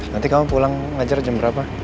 nanti kamu pulang ngajar jam berapa